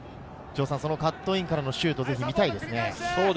カットインからのシュート、ぜひ見たいですね。